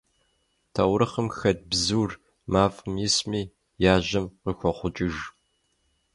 Таурыхъым хэт бзур, мафӀэм исми, яжьэм къыхохъукӀыж.